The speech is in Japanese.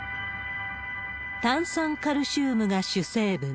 炭酸カルシウムが主成分。